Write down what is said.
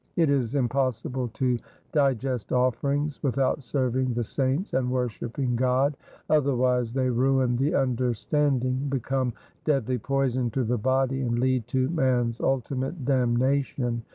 It is impossible to digest offerings without serving the saints and worshipping God, otherwise they ruin the understanding, become deadly poison to the body, and lead to man's ulti mate damnation.